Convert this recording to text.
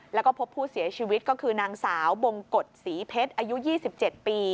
แล้วก็พบผู้เสียชีวิตก็คือนางสาวบงกฎศรีเพชรอายุ๒๗ปี